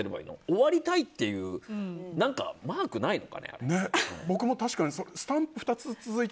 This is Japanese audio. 終わりたいっていうマークないの？